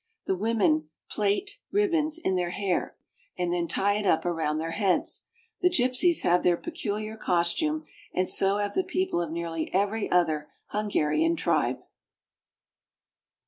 The women plait ribbons in their hair, and then tie it up around their heads. The gypsies have their peculiar costume, and so have the peo ple of nearly every other Hungarian tribe.